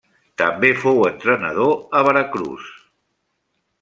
També fou entrenador a Veracruz.